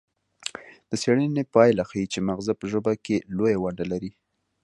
د څیړنې پایله ښيي چې مغزه په ژبه کې لویه ونډه لري